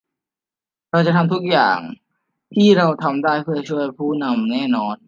เราจะทำทุกอย่างที่เราทำได้เพื่อช่วยผู้นำแน่นอน